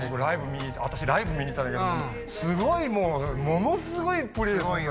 私ライブ見に行ったんだけどすごいもうものすごいプレーするのよ